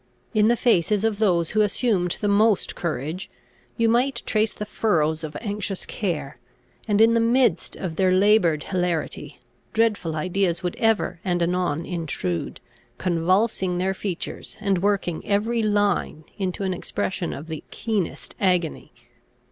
In the faces of those who assumed the most courage, you might trace the furrows of anxious care and in the midst of their laboured hilarity dreadful ideas would ever and anon intrude, convulsing their features, and working every line into an expression of the keenest agony.